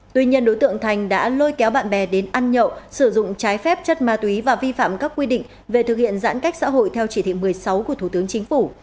tuy nhiên đối tượng thành đã lôi kéo bạn bè đến ăn nhậu sử dụng trái phép chất ma túy và vi phạm các quy định về thực hiện giãn cách xã hội theo chỉ thị một mươi sáu của thủ tướng chính phủ